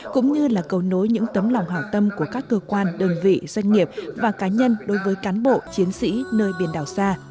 cũng như là cầu nối những tấm lòng hảo tâm của các cơ quan đơn vị doanh nghiệp và cá nhân đối với cán bộ chiến sĩ nơi biển đảo xa